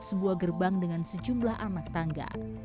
sebuah gerbang dengan sejumlah anak tangga